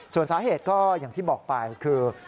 ส่วนสาเหตุก็อย่างที่บอกไปคือ